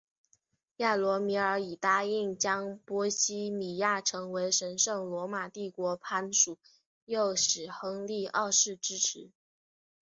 亚罗米尔以答应将波希米亚成为神圣罗马帝国藩属诱使亨利二世支持。